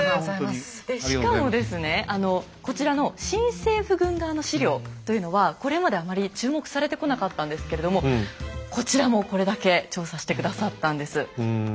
でしかもですねこちらの新政府軍側の史料というのはこれまであまり注目されてこなかったんですけれどもこちらもこれだけ調査して下さったんです。